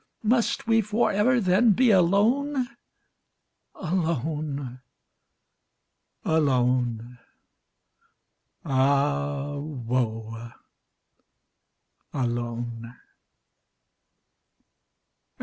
Must we forever, then, be alone? Alone, alone, ah woe! alone! 1840.